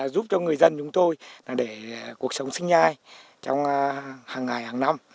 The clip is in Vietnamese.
giúp cho người dân chúng tôi để cuộc sống sinh nhai trong hàng ngày hàng năm